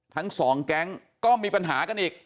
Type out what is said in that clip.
ทั้งสองแก๊งก็มีปัญหากันอีก